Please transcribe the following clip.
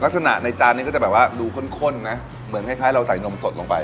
ลักษณะในจานนี้ก็จะแบบว่าดูข้นนะเหมือนคล้ายเราใส่นมสดลงไป